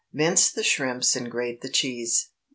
Mince the shrimps and grate the cheese.